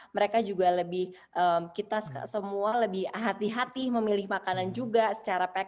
mereka juga lebih kita semua lebih hati hati memilih makanan juga secara pack